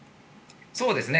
そうですね。